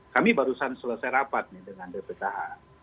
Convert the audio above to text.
kami barusan selesai rapat nih dengan bpkh